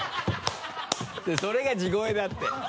それが地声だって。